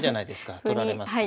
はい取られます。